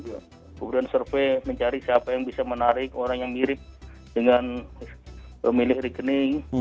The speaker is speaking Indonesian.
kemudian survei mencari siapa yang bisa menarik orang yang mirip dengan pemilik rekening